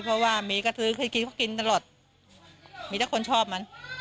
เพราะว่ามีก็ซื้อให้กินเขากินตลอดมีแต่คนชอบมัน